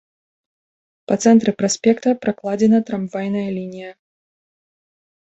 Па цэнтры праспекта пракладзена трамвайная лінія.